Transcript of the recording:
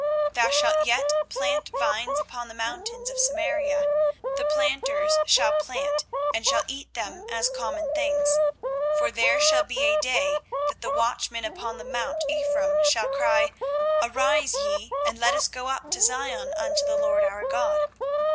24:031:005 Thou shalt yet plant vines upon the mountains of Samaria: the planters shall plant, and shall eat them as common things. 24:031:006 For there shall be a day, that the watchmen upon the mount Ephraim shall cry, Arise ye, and let us go up to Zion unto the LORD our God.